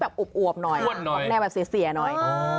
หนักเหนือแบบเสี๋ยน่อย